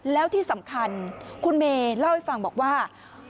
แล้วที่สำคัญคุณเมย์เล่าให้ฟังบอกว่า